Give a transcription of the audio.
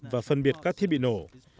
và phân biệt các thiết bị nổ